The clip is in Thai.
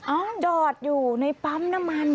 จอดอยู่ในปั๊มน้ำมัน